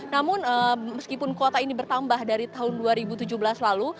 namun meskipun kuota ini bertambah dari tahun dua ribu tujuh belas lalu